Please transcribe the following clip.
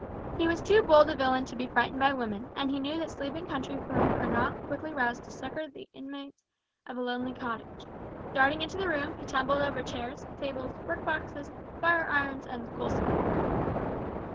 He was too bold a villain to be frightened by women, and he knew that sleeping country folk are not quickly roused to succour the inmates of a lonely cottage. Darting into the room, he tumbled over chairs, tables, work boxes, fire irons, and coal scuttle.